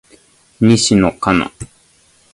西野カナ